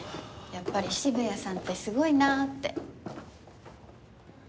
やっぱり渋谷さんってすごいなあって。